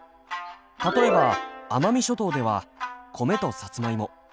例えば奄美諸島では米とさつまいも。